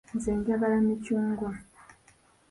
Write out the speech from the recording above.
Nze njagala micungwa.